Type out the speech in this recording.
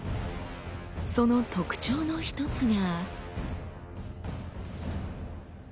その特徴の１つが。